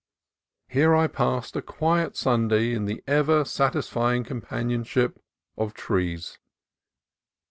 Here I passed a quiet Sunday in the ever satisfy ing companionship of trees.